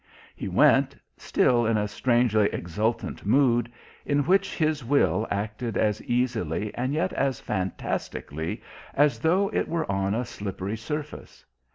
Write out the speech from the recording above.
He went, still in a strangely exultant mood, in which his will acted as easily and yet as fantastically as though it were on a slippery surface.